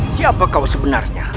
siapa kau sebenarnya